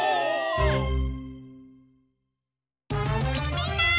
みんな！